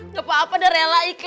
gak apa apa dah rela ikhlas